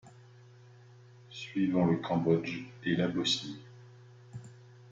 Suivant le Cambodge, et la Bosnie.